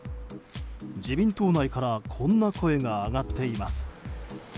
自民党内からこんな声が上がっています。